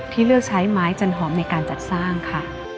เลือกใช้ไม้จันหอมในการจัดสร้างค่ะ